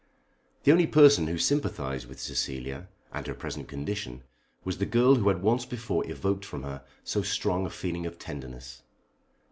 The only person who sympathised with Cecilia and her present condition was the girl who had once before evoked from her so strong a feeling of tenderness.